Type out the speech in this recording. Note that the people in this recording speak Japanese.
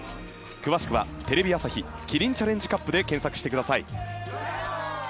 詳しくはテレビ朝日キリンチャレンジカップで検索してください。